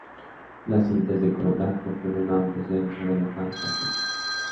La cinta es de color blanco con un amplio centro de la franja azul.